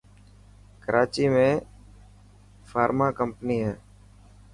ڪراچي ۾ فارمان ڪمپني هي.